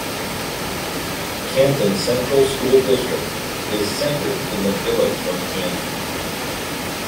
Canton Central School District is centered in the village of Canton.